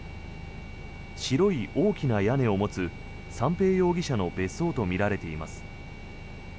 白い大きな屋根を持つ三瓶容疑者の別荘とみられています。